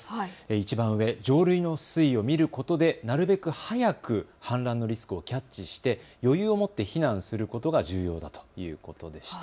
いちばん上、上流の水位を見ることでなるべく早く氾濫のリスクをキャッチして余裕を持って避難することが重要だということでした。